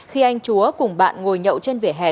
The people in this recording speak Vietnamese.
khi anh chúa cùng bạn ngồi nhậu trên vỉa hè